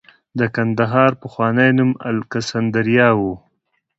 د کندهار پخوانی نوم الکسندریا و